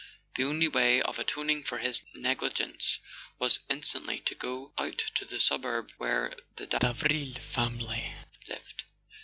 The only way of atoning for his negligence was instantly to go out to the suburb where the Davril family lived.